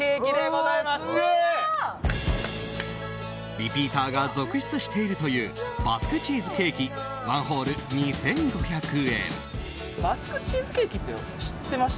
リピーターが続出しているというバスクチーズケーキ１ホール、２５００円。